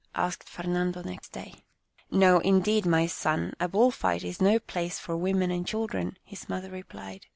" asked Fer nando next day. " No, indeed, my son, a bull fight is no place for women and children/' his mother replied.